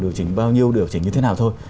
điều chỉnh bao nhiêu điều chỉnh như thế nào thôi